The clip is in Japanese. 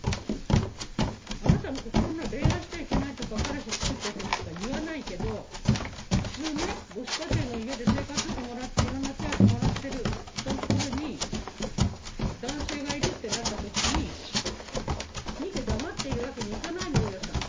あなたの心が恋愛しちゃいけないとか彼氏つくっちゃいけないとか言わないけど普通ね母子家庭の家で生活保護もらっていろんな手当もらってる人のところに男性がいるってなった時に見て黙っているわけにいかないの大家さんは。